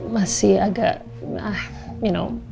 masih agak you know